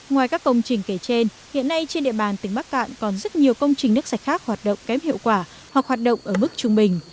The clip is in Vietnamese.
ngoài các công trình kể trên hiện nay trên địa bàn tỉnh bắc cạn còn rất nhiều công trình nước sạch khác hoạt động kém hiệu quả hoặc hoạt động ở mức trung bình